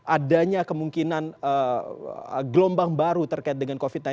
adanya kemungkinan gelombang baru terkait dengan covid sembilan belas